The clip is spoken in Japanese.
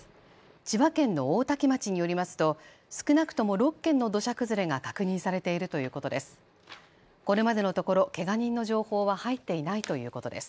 千葉県の大多喜町によりますと少なくとも６件の土砂崩れが確認されているということです。